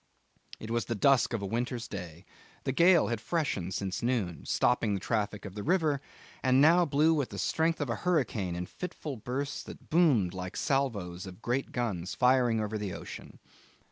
It was the dusk of a winter's day. The gale had freshened since noon, stopping the traffic on the river, and now blew with the strength of a hurricane in fitful bursts that boomed like salvoes of great guns firing over the ocean.